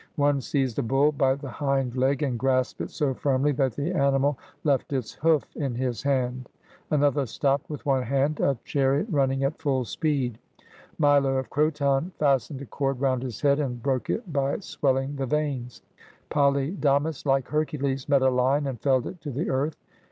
One seized a bull by the hind leg and grasped it so firmly that the animal left its hoof 67 GREECE in his hand; another stopped, with one hand, a chariot running at full speed; Milo of Croton fastened a cord round his head and broke it by swelling the veins; Poly damas, like Hercules, met a lion and felled it to the earth.